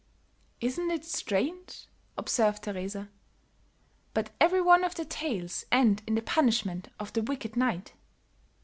"Isn't it strange," observed Teresa, "but every one of the tales end in the punishment of the wicked knight."